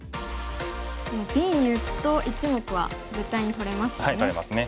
Ｂに打つと１目は絶対に取れますよね。